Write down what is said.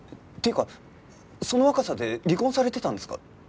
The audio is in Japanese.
っていうかその若さで離婚されてたんですか？